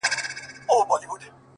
د سترگو اوښکي دي خوړلي گراني ،